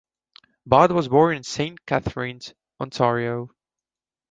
Budd was born in Saint Catharines, Ontario.